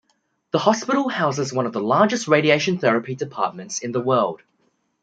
The hospital houses one of the largest radiation therapy departments in the world.